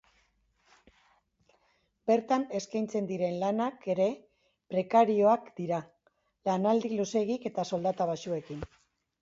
Bertan eskaintzen diren lanak ere prekarioak dira, lanaldi luzeekin eta soldata baxuekin.